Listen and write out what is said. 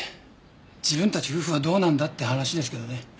自分たち夫婦はどうなんだって話ですけどね。